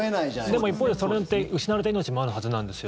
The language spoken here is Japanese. でも一方で、それによって失われた命もあるはずなんです。